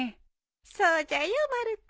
そうじゃよまる子。